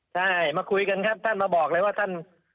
ใช่มาคุยกันครับท่านมาบอกเลยว่าท่าน